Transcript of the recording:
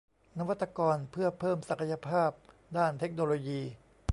นวัตกรเพื่อเพิ่มศักยภาพด้านเทคโนโลยี